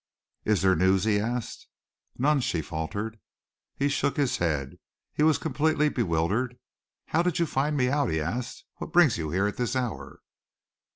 "Is there news?" he asked. "None!" she faltered. He shook his head. He was completely bewildered. "How did you find me out?" he asked. "What brings you here at this hour?"